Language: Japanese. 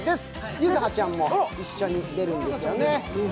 柚葉ちゃんも一緒に出るんですよね。